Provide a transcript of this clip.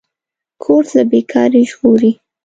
کورس له بېکارۍ ژغوري.